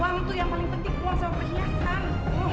uang tuh yang paling penting uang sama perhiasan